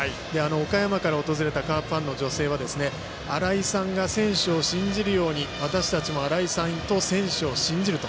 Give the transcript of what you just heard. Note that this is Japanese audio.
岡山から訪れたカープファンの女性は、新井さんが選手を信じるように私たちも新井さんと選手を信じると。